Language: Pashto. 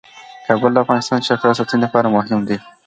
کابل د افغانستان د چاپیریال ساتنې لپاره مهم دي.